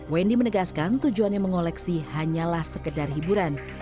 wendy menegaskan tujuannya mengoleksi hanyalah sekedar hiburan